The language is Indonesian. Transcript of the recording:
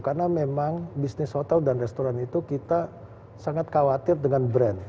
karena memang bisnis hotel dan restoran itu kita sangat khawatir dengan brand